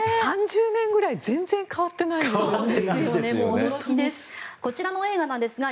３０年ぐらい全然変わってないですよね。